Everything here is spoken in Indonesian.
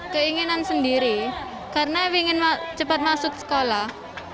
keinginan sendiri karena ingin cepat masuk sekolah